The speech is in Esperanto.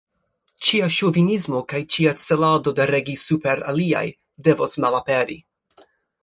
Ĉia ŝovinismo kaj ĉia celado de regi super aliaj, devos malaperi.